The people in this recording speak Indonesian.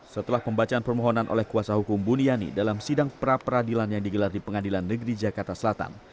setelah pembacaan permohonan oleh kuasa hukum buniani dalam sidang pra peradilan yang digelar di pengadilan negeri jakarta selatan